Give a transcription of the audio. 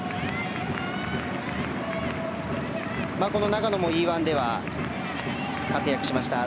長野もＥ‐１では活躍しました。